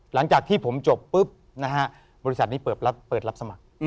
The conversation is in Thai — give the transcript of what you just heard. หลังจากที่ผมจบบริษัทนี้เปิดรับสมัคร